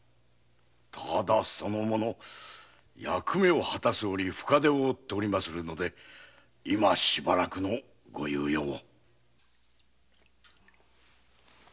ただその者役目を果たす折深手を負っておりまするので今しばらくのご猶予を。